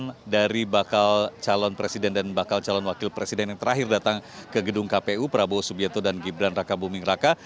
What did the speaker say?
dan kemudian dari bakal calon presiden dan bakal calon wakil presiden yang terakhir datang ke gedung kpu prabowo subyeto dan gibran raka buming raka